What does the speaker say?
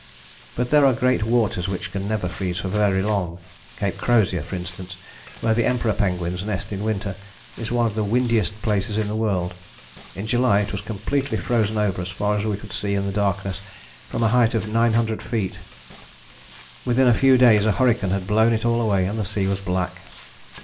But there are great waters which can never freeze for very long. Cape Crozier, for instance, where the Emperor penguins nest in winter, is one of the windiest places in the world. In July it was completely frozen over as far as we could see in the darkness from a height of 900 feet. Within a few days a hurricane had blown it all away, and the sea was black.